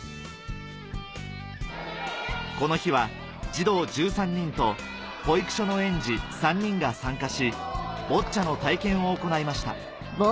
この日は児童１３人と保育所の園児３人が参加しボッチャの体験を行いました